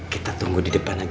kita tunggu di depan aja